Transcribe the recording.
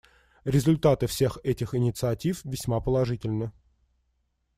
Результаты всех этих инициатив весьма положительны.